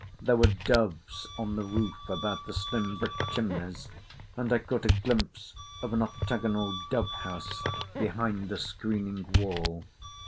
There were doves on the roof about the slim brick chimneys, and I caught a glimpse of an octagonal dove house behind the screening wall.